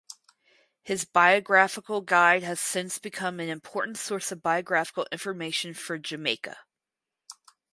His biographical guide has since become an important source of biographical information for Jamaica.